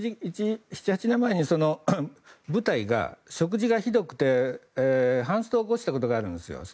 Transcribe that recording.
７８年前に部隊が食事がひどくてハンストを起こしたことがあるんですよ。